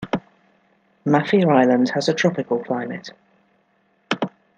Mafia island has a tropical climate.